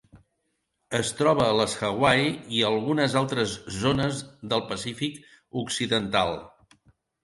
Es troba a les Hawaii i a algunes altres zones del Pacífic occidental.